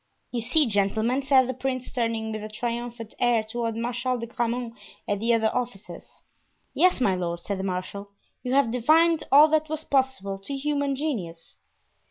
"You see; gentlemen!" said the prince, turning with a triumphant air toward Marshal de Grammont and the other officers. "Yes, my lord," said the marshal, "you have divined all that was possible to human genius."